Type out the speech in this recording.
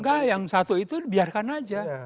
enggak yang satu itu biarkan aja